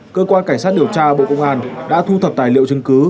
cơ quan cảnh sát điều tra bộ công an đã thu thập tài liệu chứng cứ